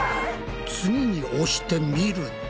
次に押してみると。